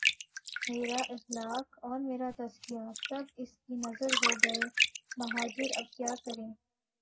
میرا اخلاق اور میرا تزکیہ، سب اس کی نذر ہو گئے مہاجر اب کیا کریں؟